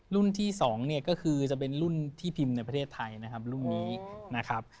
รุ่นที่๒เนี่ยก็คือจะเป็นรุ่นที่พิมพ์ในประเทศไทยนะครับรุ่นนี้นะครับ